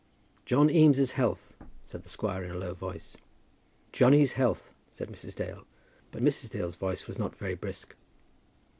"John Eames' health," said the squire, in a low voice. "Johnny's health," said Mrs. Dale; but Mrs. Dale's voice was not very brisk.